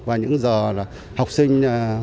và những giờ học sinh